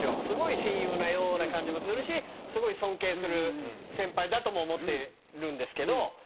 すごい親友なような感じもするしすごい尊敬する先輩だとも思ってるんですけど。